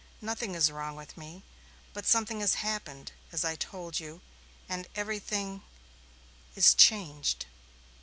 "Nothing is wrong with me. But something has happened, as I told you, and everything is changed."